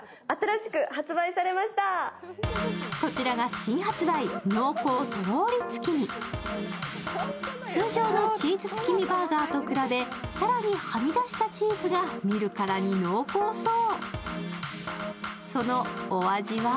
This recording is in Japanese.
こちらが新発売、濃厚とろり月見通常のチーズ月見バーガーと比べ、更にはみ出したチーズが見るからに濃厚そう。